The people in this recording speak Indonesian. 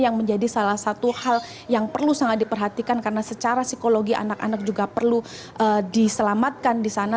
yang menjadi salah satu hal yang perlu sangat diperhatikan karena secara psikologi anak anak juga perlu diselamatkan di sana